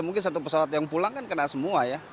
mungkin satu pesawat yang pulang kan kena semua ya